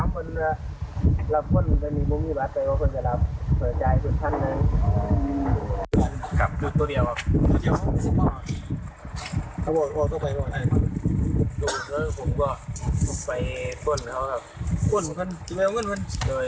กลับไปก็คือแบบเปิดจ่ายสุดท่านเลย